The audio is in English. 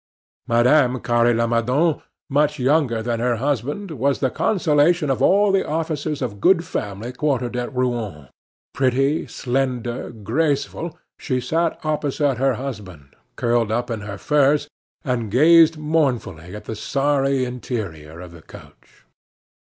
Madame Carre Lamadon, much younger than her husband, was the consolation of all the officers of good family quartered at Rouen. Pretty, slender, graceful, she sat opposite her husband, curled up in her furs, and gazing mournfully at the sorry interior of the coach.